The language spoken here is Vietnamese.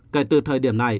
kể từ thời điểm này